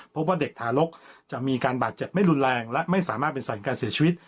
ว่าเด็กทารกจะมีการบาดเจ็บไม่รุนแรงและไม่สามารถเป็นสารการเสียชีวิต